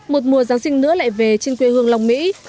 một mùa giáng sinh nữa lại về trên quê hương long mỹ